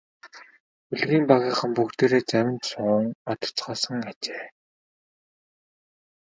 Хөлгийн багийнхан бүгдээрээ завинд суун одоцгоосон ажээ.